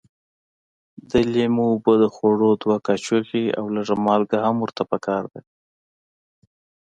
د لیمو اوبه د خوړو دوه کاشوغې او لږ مالګه هم ورته پکار ده.